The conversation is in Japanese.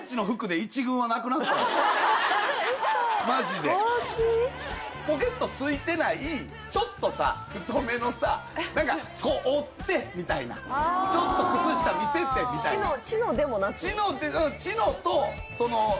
もうマジでポケットついてないちょっとさ太めのさ何かこう折ってみたいなちょっと靴下見せてみたいなチノでもなく？